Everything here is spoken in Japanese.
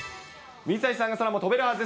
水谷さんが空も飛べるはず。